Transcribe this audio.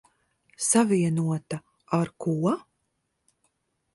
Savienota ar ko?